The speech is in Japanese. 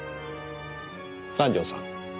南条さん